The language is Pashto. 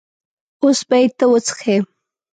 اوس به یې ته وڅښې.